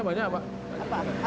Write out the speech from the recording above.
ikannya banyak pak